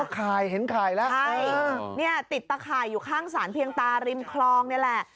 อ๋อคลายเห็นคลายละใช่เนี่ยติดตะคายอยู่ข้างสารเพียงตาริมคลองเนี่ยแหละ